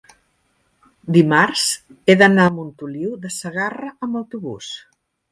dimarts he d'anar a Montoliu de Segarra amb autobús.